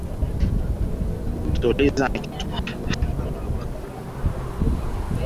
Tuliza na kitumbua.